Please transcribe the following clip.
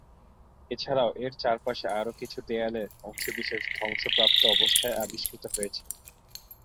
এছাড়াও এর চারপাশে আরো কিছু দেয়ালের অংশবিশেষ ধ্বংসপ্রাপ্ত অবস্থায় আবিষ্কৃত হয়েছে।